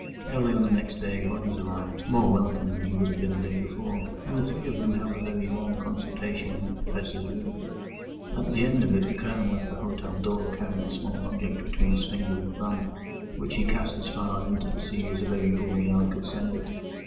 Early on the next day Rogers arrived, more welcome than he would have been a day before, and the three of them held a very long consultation in the Professor's room. At the end of it the Colonel left the hotel door carrying a small object between his finger and thumb, which he cast as far into the sea as a very brawny arm could send it.